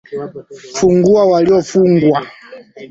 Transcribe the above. Fungua waliofungwa